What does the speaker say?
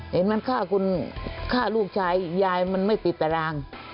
เห็นมันฆ่าคุณฆ่าลูกชายยายมันไม่ติดตาราง